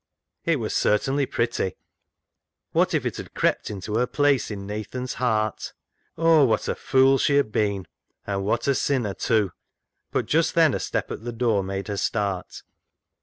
It was certainly pretty. What if it had crept into her place in Nathan's heart ! Oh, what a fool she had been, and what a sinner too! But just then a step at the door made her start.